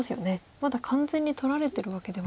まだ完全に取られてるわけでは。